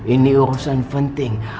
ini urusan penting